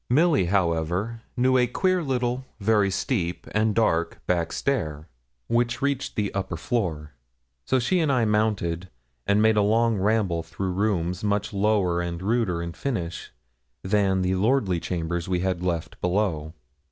Milly, however, knew a queer little, very steep and dark back stair, which reached the upper floor; so she and I mounted, and made a long ramble through rooms much lower and ruder in finish than the lordly chambers we had left below.